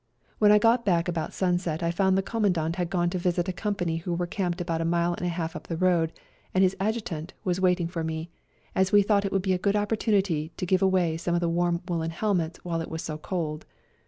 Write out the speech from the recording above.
When I got back about sunset I found the Com mandant had gone to visit a company who were camped about a mile and a half up the road, and his Adjutant was waiting for me, as we thought it would be a good opportunity to give away some of the warm woollen helmets while it was so cold.